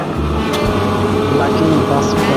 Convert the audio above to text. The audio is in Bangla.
Lucky brass band.